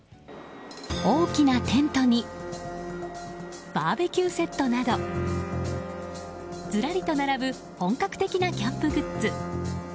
大きなテントにバーベキューセットなどずらりと並ぶ本格的なキャンプグッズ。